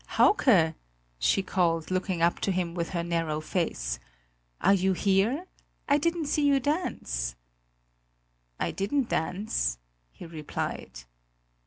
"Hauke!" she called, looking up to him with her narrow face; "are you here? I didn't see you dance." "I didn't dance," he replied.